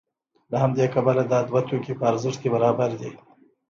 له همدې کبله دا دوه توکي په ارزښت کې برابر دي